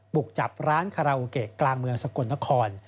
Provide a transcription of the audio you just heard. บุกจับร้านคาราโอเกะกลางเมืองสกลนคร